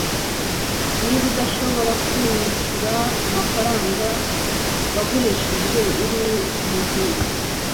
Niba udashobora kwishyura amafaranga wagurijwe uri umujura